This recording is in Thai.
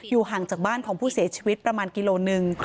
ห่างจากบ้านของผู้เสียชีวิตประมาณกิโลหนึ่ง